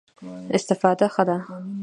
استفاده ښه ده.